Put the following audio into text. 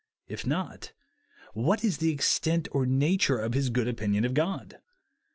If not, what is the extent or nature of his good opinion of God ?